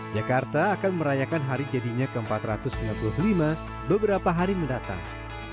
jakarta akan merayakan hari jadinya ke empat ratus sembilan puluh lima beberapa hari mendatang